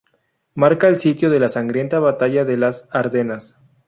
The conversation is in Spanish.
Marca el sitio de la sangrienta Batalla de las Ardenas.